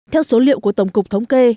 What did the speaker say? theo số liệu của tổng cục thống kê